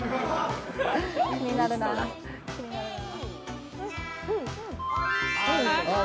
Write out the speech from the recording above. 気になるなぁ。